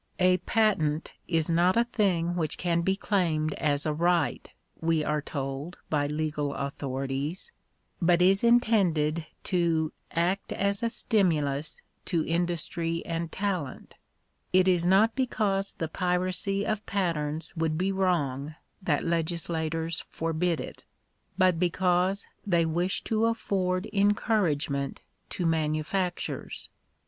" A patent is not a thing which can be claimed as a right," we are told by legal authorities, but is intended to " act as a stimulus to industry and talent" It is not because the piracy of, patterns would be wrong that legislators forbid it, but because they wish to afford " encouragement to manufactures."